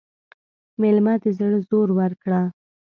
مېلمه ته د زړه زور ورکړه.